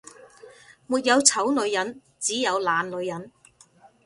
沒有醜女人，只有懶女人